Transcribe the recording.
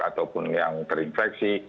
ataupun yang terinfeksi